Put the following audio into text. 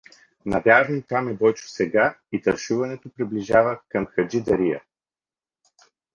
Навярно там е Бойчо сега и тършуването приближава към Хаджи Дария.